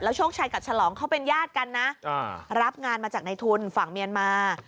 โชคชัยกับฉลองเขาเป็นญาติกันนะรับงานมาจากในทุนฝั่งเมียนมา